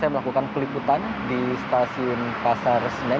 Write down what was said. saya telah berjalan ke kampung kampung kampung di stasiun pasar senen